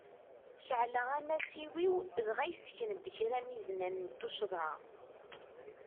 Ceɛleɣ anasiw-iw dɣa yesken-d kra n yiznan n tuccḍa.